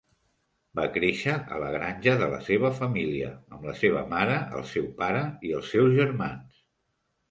Va créixer a la granja de la seva família amb la seva mare, el seu pare i els seus germans.